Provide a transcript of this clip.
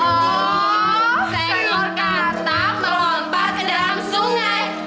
oh seluruh kantang melompat ke dalam sungai